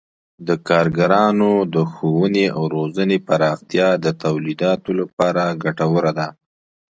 د کارګرانو د ښوونې او روزنې پراختیا د تولیداتو لپاره ګټوره ده.